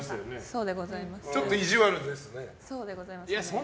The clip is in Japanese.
そうでございますね。